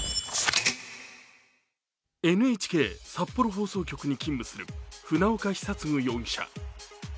ＮＨＫ札幌放送局に勤務する船岡久嗣容疑者。